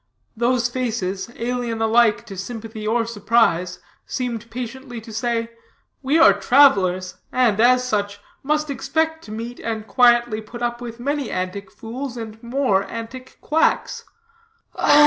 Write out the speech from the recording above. Those faces, alien alike to sympathy or surprise, seemed patiently to say, "We are travelers; and, as such, must expect to meet, and quietly put up with, many antic fools, and more antic quacks."